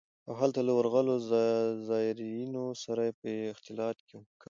او هلته له ورغلو زايرينو سره به يې اختلاط کاوه.